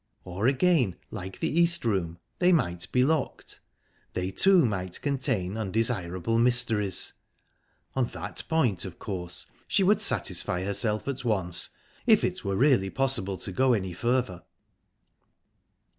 Or, again, like the East Room, they might be locked; they, too, might contain undesirable mysteries...On that point, of course, she would satisfy herself at once...if it were really possible to go any further...